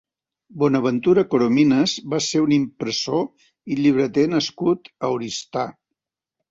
Bonaventura Corominas va ser un impressor i llibreter nascut a Oristà.